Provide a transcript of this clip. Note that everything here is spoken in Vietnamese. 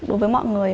đối với mọi người